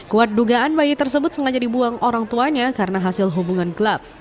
kuat dugaan bayi tersebut sengaja dibuang orang tuanya karena hasil hubungan gelap